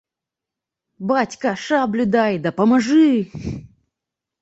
Бацька, шаблю дай, дапамажы!